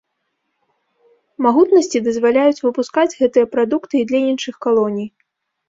Магутнасці дазваляюць выпускаць гэтыя прадукты і для іншых калоній.